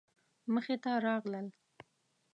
مخې ته راغلل.